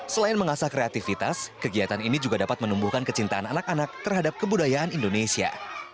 selain mengasah kreativitas kegiatan ini juga dapat menumbuhkan kecintaan anak anak terhadap kebudayaan indonesia